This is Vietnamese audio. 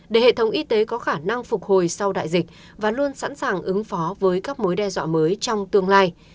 để hệ thống y tế có khả năng phục hồi sau đại dịch và luôn sẵn sàng ứng phó với các mối đe dọa mới trong tương lai